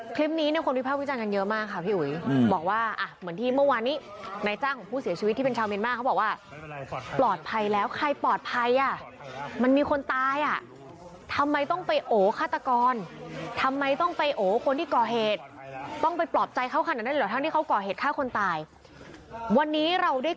คลิปนี้เนี่ยคนวิภาพวิจารณ์กันเยอะมากค่ะพี่อุ๋ยบอกว่าอ่ะเหมือนที่เมื่อวานนี้นายจ้างของผู้เสียชีวิตที่เป็นชาวเมียนมาร์เขาบอกว่าปลอดภัยแล้วใครปลอดภัยอ่ะมันมีคนตายอ่ะทำไมต้องไปโอฆาตกรทำไมต้องไปโอคนที่ก่อเหตุต้องไปปลอบใจเขาขนาดนั้นเหรอทั้งที่เขาก่อเหตุฆ่าคนตายวันนี้เราได้